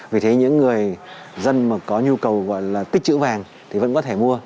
vì thế những người dân mà có nhu cầu gọi là tích chữ vàng thì vẫn có thể mua